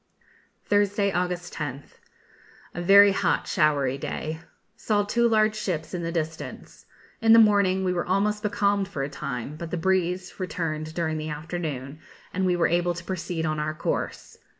Thursday, August 10th. A very hot, showery day. Saw two large ships in the distance. In the morning we were almost becalmed for a time, but the breeze returned during the afternoon, and we were able to proceed on our course.